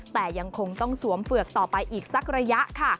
แต่ยังคงต้องสวมเฝือกต่อไปอีกสักระยะค่ะ